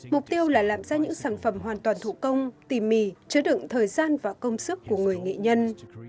mục tiêu là làm ra những sản phẩm hoàn toàn thủ công tìm mì chứa đựng thời gian và công sức của người nghị nhân